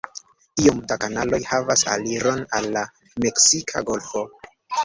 Iom da kanaloj havas aliron al la Meksika golfo.